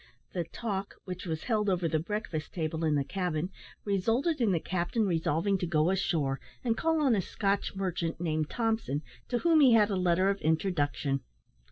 The "talk," which was held over the breakfast table in the cabin, resulted in the captain resolving to go ashore, and call on a Scotch merchant, named Thompson, to whom he had a letter of introduction.